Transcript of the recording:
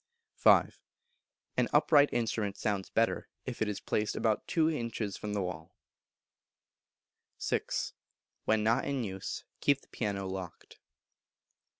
v. An upright instrument sounds better if placed about two inches from the wall. vi. When not in use keep the piano locked.